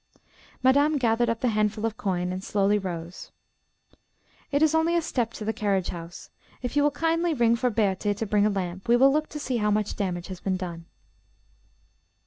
Madame gathered up the handful of coin, and slowly rose. "It is only a step to the carriage house," she said. "If you will kindly ring for Berthé to bring a lamp we will look to see how much damage has been done."